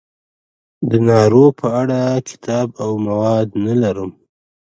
د نارو په اړه کتاب او مواد نه لرم.